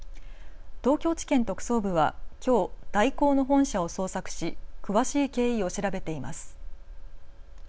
東京地検特捜部はきょう大広の本社を捜索し詳しい経緯を調べています。